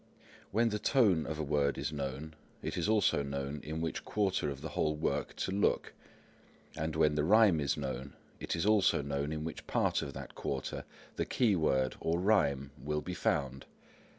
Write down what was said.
When the Tone of a word is known, it is also known in which quarter of the whole work to look; and when the Rhyme is known, it is also known in which part of that quarter the key word, or rhyme, will be found.